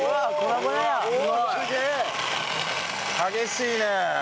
激しいね。